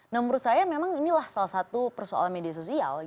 nah menurut saya memang inilah salah satu persoalan media sosial